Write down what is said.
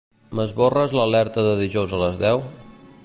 M'esborres l'alerta de dijous a les deu?